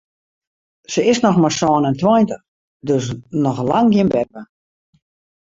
Se is noch mar sân en tweintich, dus noch lang gjin beppe.